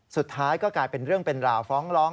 สุดท้ายก็กลายเป็นเรื่องเป็นราวฟ้องร้อง